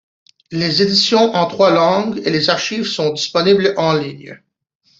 Les éditions en trois langues et les archives sont disponibles en ligne.